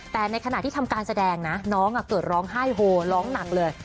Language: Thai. แต่ในขณะที่ทำการแสดงนะน้องเกิดร้องไห้โฮร้องหนักเลย